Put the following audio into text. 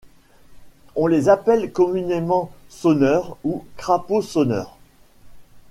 On les appelle communément Sonneurs ou Crapauds sonneurs.